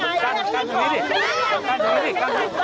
ขอบคุณครับขอบคุณครับ